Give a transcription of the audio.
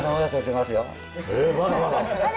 まだまだ。